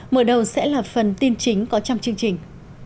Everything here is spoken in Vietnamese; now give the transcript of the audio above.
mở đầu sẽ là phần tin chính có trong chương trình